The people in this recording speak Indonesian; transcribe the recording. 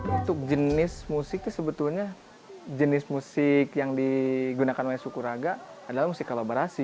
untuk jenis musik itu sebetulnya jenis musik yang digunakan wayang sukuraga adalah musik kolaborasi